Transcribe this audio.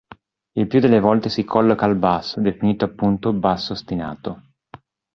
Il più delle volte si colloca al basso, definito appunto basso ostinato.